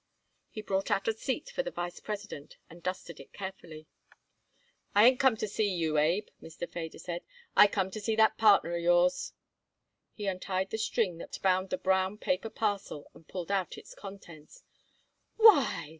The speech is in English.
He brought out a seat for the vice president and dusted it carefully. "I ain't come to see you, Abe," Mr. Feder said; "I come to see that partner of yours." He untied the string that bound the brown paper parcel and pulled out its contents. "Why!"